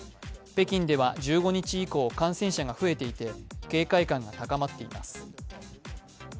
北京では１５日以降感染者が増えていて、警戒感が高まっています。